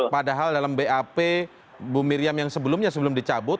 padahal dalam bap bu miriam yang sebelumnya sebelum dicabut